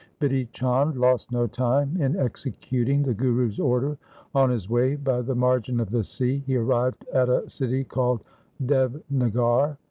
Bidhi Chand lost no time in executing the Guru's order. On his way by the margin of the sea he arrived at a city called Devnagar.